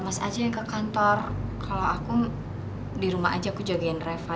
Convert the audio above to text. mas aja yang ke kantor kalau aku di rumah aja aku jagain reva